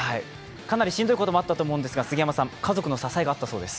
かなりしんどいこともあったと思うんですが家族の支えがあったそうです。